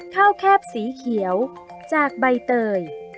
แคบสีเขียวจากใบเตย